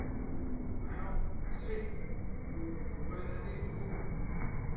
Allons, assez ! vous raisonnez toujours…